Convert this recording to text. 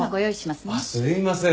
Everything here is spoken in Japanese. すいません。